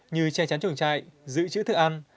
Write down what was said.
như che chắn chuồng chạy giữ chữ thức ăn